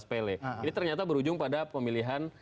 sepele ini ternyata berujung pada pemilihan